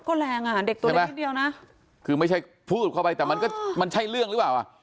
คิดเดียวนะคือไม่ใช่พูดเข้าไปแล้วแต่มันก็ใช่เรื่องครับว่า